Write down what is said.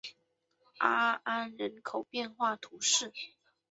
阿安人口变化图示